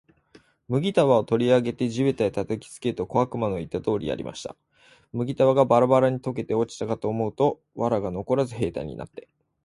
麦束を取り上げて地べたへ叩きつけると、小悪魔の言った通りやりました。麦束がバラバラに解けて落ちたかと思うと、藁がのこらず兵隊になって、